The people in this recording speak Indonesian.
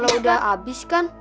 kalau sudah habis kan